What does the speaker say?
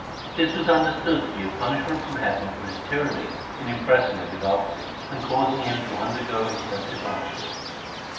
This was understood to be a punishment from heaven for his tyranny in im pressing a devout Sikh, and causing him to undergo excessive hardship.